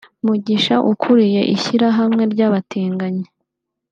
Mugisha ukuriye ishyirahamwe ry’abatinganyi